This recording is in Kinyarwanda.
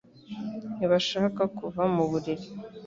Ntibashaka kuva mu buriri